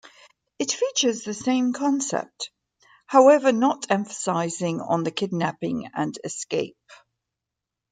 It features the same concept, however not emphasizing on the kidnapping and escape.